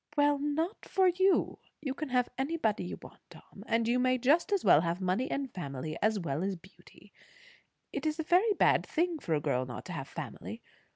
"Well, not for you. You can have anybody you want to, Tom; and you may just as well have money and family as well as beauty. It is a very bad thing for a girl not to have family.